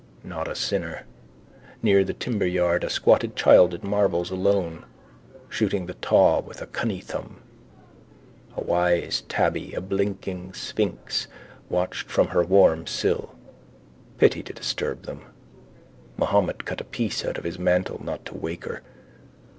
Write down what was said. Not a sinner. Near the timberyard a squatted child at marbles, alone, shooting the taw with a cunnythumb. A wise tabby, a blinking sphinx, watched from her warm sill. Pity to disturb them. Mohammed cut a piece out of his mantle not to wake her.